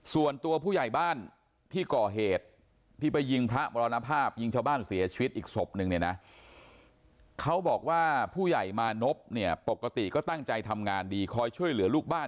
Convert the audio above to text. ส่วนตัวผู้ใหญ่บ้านที่ก่อเหตุที่ไปยิงพระมรณภาพยิงชาวบ้านเสียชีวิตอีกศพนึงเนี่ยนะ